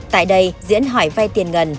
tại đây diễn hỏi vai tiền ngân